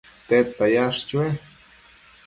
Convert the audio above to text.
tedta yash chue?